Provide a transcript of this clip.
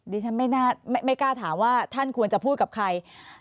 ดิฉันไม่กล้าถามว่าท่านควรจะพูดกับใคร